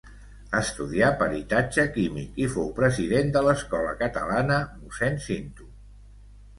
Estudià peritatge químic i fou president de l'Escola Catalana Mossèn Cinto.